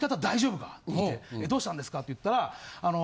「どうしたんですか？」って言ったら。